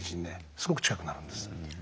すごく近くなるんです。